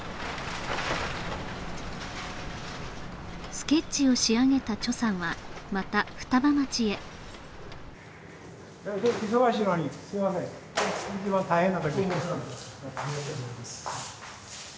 スケッチを仕上げたさんはまた双葉町へ忙しいのにすいません一番大変な時にどうもお世話になってます